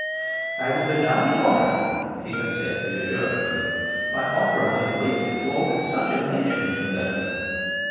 'I will be down tomorrow,' he had said reassuringly. 'My opera is waited for with such impatience, you know.